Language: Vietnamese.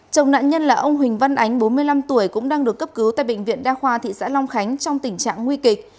chồng nạn nhân là ông huỳnh văn ánh bốn mươi năm tuổi cũng đang được cấp cứu tại bệnh viện đa khoa thị xã long khánh trong tình trạng nguy kịch